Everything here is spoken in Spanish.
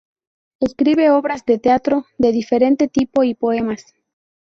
Escribe obras de teatro de diferente tipo y poemas.